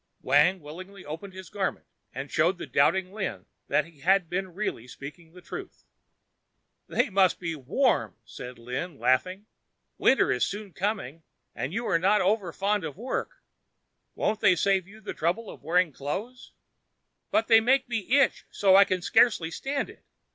Wang willingly opened his garment and showed the doubting Lin that he had been really speaking the truth. "They must be warm," said Lin, laughing. "Winter is soon coming and you are not over fond of work. Won't they save you the trouble of wearing clothing?" "But they make me itch so I can scarcely stand it!